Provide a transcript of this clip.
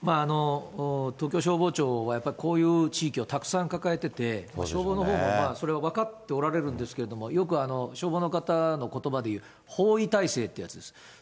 東京消防庁はこういう地域をたくさん抱えてて、消防のほうもそれを分かっておられるんですけれども、よく消防の方のことばでいう、包囲態勢というやつです。